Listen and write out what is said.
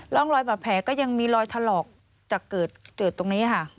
ร่องรอยบาดแผลก็ยังมีรอยถลอกจากเกิดตรงนี้ค่ะ